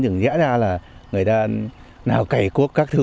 đường dã ra là người ta nào cẩy cuốc các thứ